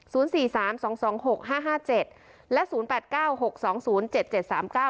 สี่สามสองสองหกห้าห้าเจ็ดและศูนย์แปดเก้าหกสองศูนย์เจ็ดเจ็ดสามเก้า